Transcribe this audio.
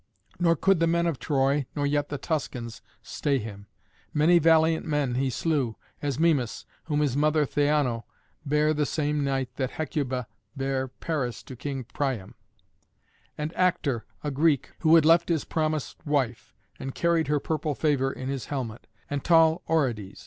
Nor could the men of Troy, nor yet the Tuscans, stay him. Many valiant men he slew, as Mimas, whom his mother Theano bare the same night that Hecuba bare Paris to King Priam; and Actor, a Greek, who had left his promised wife, and carried her purple favour in his helmet; and tall Orodes.